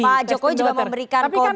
pak jokowi juga memberikan kode mengendorse